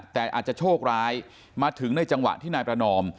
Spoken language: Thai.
แต่อาจจะโชคร้ายมาถึงในจังหวะที่นายประนอม